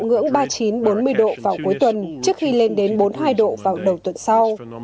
ngưỡng ba mươi chín bốn mươi độ vào cuối tuần trước khi lên đến bốn mươi hai độ vào đầu tuần sau